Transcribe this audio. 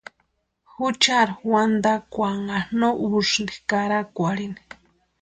Juchari wantankwanha no úsïnti karakwarhini.